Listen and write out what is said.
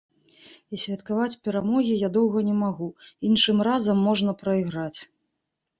І святкаваць перамогі я доўга не магу, іншым разам можна прайграць.